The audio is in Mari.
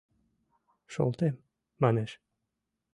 — Шолтем, — манеш.